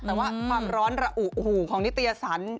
แต่ว่าความร้อนระอุหูของนิตยสาร